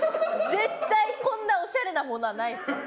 絶対こんなオシャレなものはないですよ。